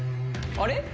あれ？